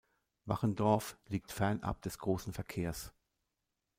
Wachendorf liegt fernab des großen Verkehrs.